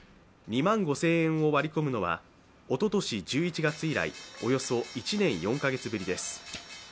２万５０００円を割り込むのはおととし１１月以来およそ１年４カ月ぶりです。